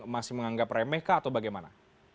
masih menganggap remeh kah atau bagaimana